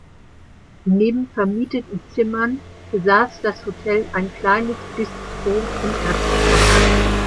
Neben vermieteten Zimmern besaß das Hotel ein kleines Bistro im Erdgeschoss.